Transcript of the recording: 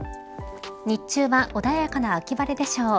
日中は穏やかな秋晴れでしょう。